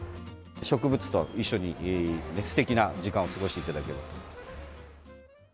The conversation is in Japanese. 植物と一緒に、すてきな時間を過ごしていただければと思います。